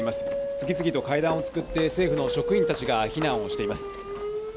次々と階段を使って、政府の職員たちが避難をしています。